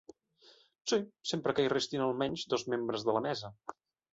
Sí, sempre que hi restin almenys dos membres de la mesa.